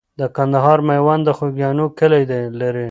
د کندهار میوند د خوګیاڼیو کلی لري.